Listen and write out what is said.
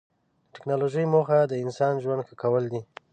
د ټکنالوجۍ موخه د انسان ژوند ښه کول دي.